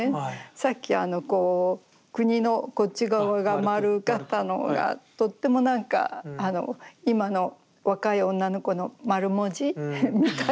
さっきあのこう「国」のこっち側が丸かったのがとってもなんか今の若い女の子の丸文字みたいな感じ。